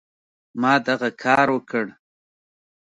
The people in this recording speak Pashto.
ما دغه کار وکړ.